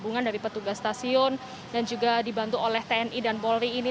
gabungan dari petugas stasiun dan juga dibantu oleh tni dan polri ini